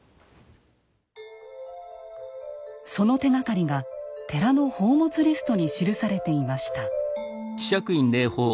その手がかりが寺の宝物リストに記されていました。